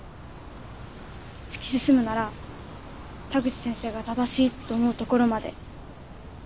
突き進むなら田口先生が正しいと思うところまで。